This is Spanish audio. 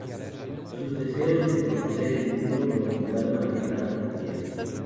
Sus deseos de conocer el mundo lo obligaron a viajar a Turquía.